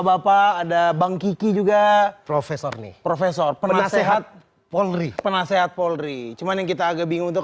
maka berbicara seperti posisi termasuk kond living group